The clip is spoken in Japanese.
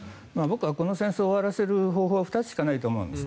僕はこの戦争を終わらせる方法は２つだと思います。